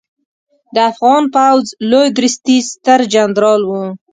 د افغان پوځ لوی درستیز سترجنرال و